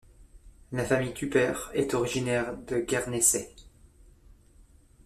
La famille Tupper est originaire de Guernesey.